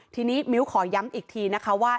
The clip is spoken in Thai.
ทีนี้มิ้วขอย้ำอีกทีนะคะว่า